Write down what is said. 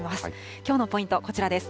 きょうのポイント、こちらです。